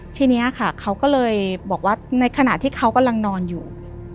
ทีนี้ค่ะเขาก็เลยบอกว่าในขณะที่เขากำลังนอนอยู่